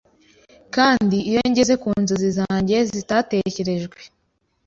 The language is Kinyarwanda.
Kandi iyo ngeze ku nzozi zanjye zitatekerejwe